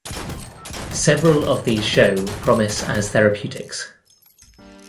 Several of these show promise as therapeutics.